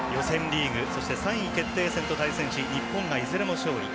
予選リーグ、３位決定戦と対戦し日本がいずれも勝利。